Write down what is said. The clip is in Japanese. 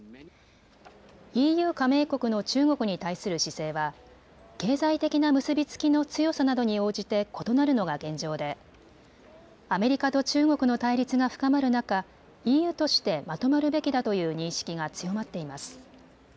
ＥＵ加盟国の中国に対する姿勢は経済的な結び付きの強さなどに応じて異なるのが現状でアメリカと中国の対立が深まる中、ＥＵとしてまとまるべきだという認識が強まっています。